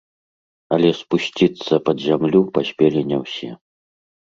Але спусціцца пад зямлю паспелі не ўсе.